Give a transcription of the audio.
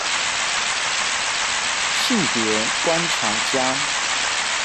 性別觀察家